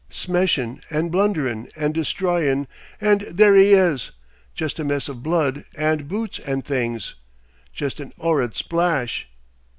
Smeshin' and blunderin' and destroyin', and there 'e 'is! Jest a mess of blood and boots and things! Jest an 'orrid splash!